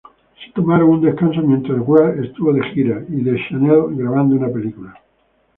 Se tomaron un descanso mientras Ward estuvo de gira y Deschanel grabando una película.